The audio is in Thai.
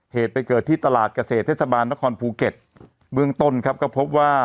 เหตุไปเกิดที่ตลาดเกษตรเทศบาลนครภูเก็ตเบื้องต้นครับก็พบว่า